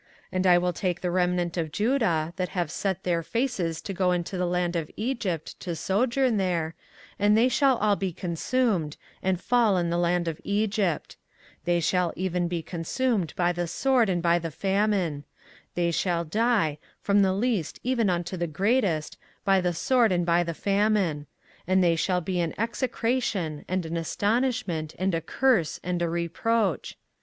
24:044:012 And I will take the remnant of Judah, that have set their faces to go into the land of Egypt to sojourn there, and they shall all be consumed, and fall in the land of Egypt; they shall even be consumed by the sword and by the famine: they shall die, from the least even unto the greatest, by the sword and by the famine: and they shall be an execration, and an astonishment, and a curse, and a reproach.